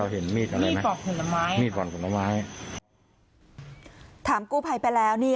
ใช่ข้างในลึกด้วย